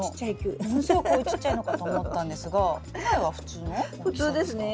ものすごくちっちゃいのかと思ったんですが苗は普通の大きさですか？